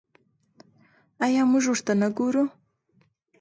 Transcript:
آیا موږ ورته نه ګورو؟